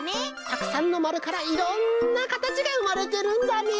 たくさんのまるからいろんなかたちがうまれてるんだね！